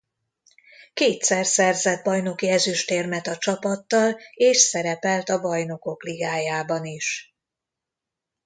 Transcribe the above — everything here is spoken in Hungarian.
Kétszer szerzett bajnoki ezüstérmet a csapattal és szerepelt a Bajnokok Ligájában is.